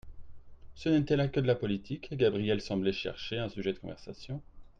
Ce n'était là que de la politique, et Gabrielle semblait chercher un sujet de conversation.